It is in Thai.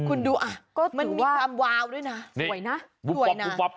คุณดูอ่ะก็มันมีความวาวด้วยนะสวยนะ